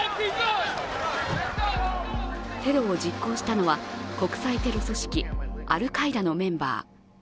テロを実行したのは、国際テロ組織アルカイダのメンバー。